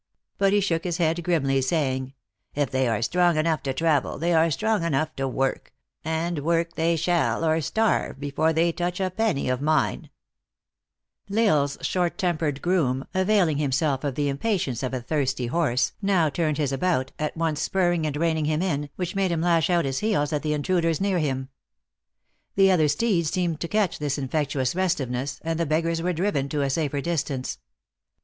But he shook his head grimly, saying : u If they are strong enough to travel, .they are strong enough to work ; and work they shall, or starve, before they touch a penny of mine !" L Isle s short tempered groom, availing himself of THE ACTRESS IN HIGH LIFE. 205 the impatience of a thirsty horse, now turned his about, at once spurring and reining him in, which made him lash out his heels at the intruders near him. The other steeds seemed to catch this infectious rest iveness, and the beggars were driven to a safer dis tance.